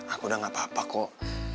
aku udah gak apa apa kok